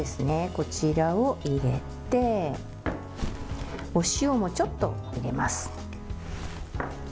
こちらを入れてお塩もちょっと入れます。